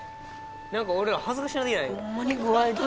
「なんか俺ら恥ずかしなるやないか」